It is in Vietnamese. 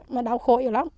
mà đau khổ nhiều lắm